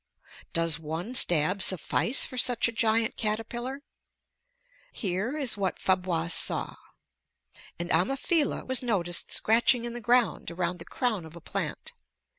Does one stab suffice for such a giant caterpillar? Here is what Fabre saw: An Ammophila was noticed scratching in the ground around the crown of a plant.